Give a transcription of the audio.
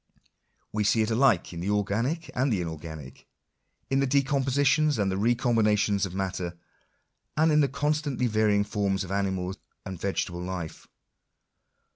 We see it alike in the organic and the inor ganic — in the decompositions and recombinations of matter, and in the constantly varying forms of animal and vegetable life.